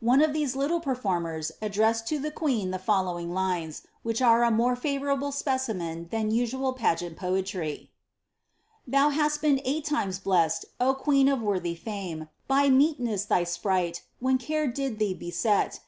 One of these little performers ad dressed to the queen the following lines, which are a more favourable •pecimen than usual of pageant poetry :— "Thou hast been eight times blest, O queen of worthy famel By meekness of thy sprite, when care did thee beset.